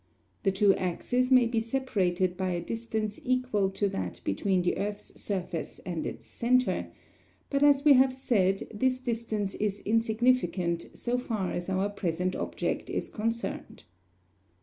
The two axes may be separated by a distance equal to that between the earth's surface and its centre; but, as we have said, this distance is insignificant so far as our present object is concerned.